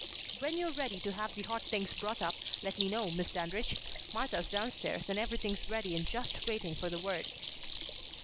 When you're ready to have the hot things brought up, let me know, Miss Dandridge. Martha's down stairs and everything's ready and just waiting for the word."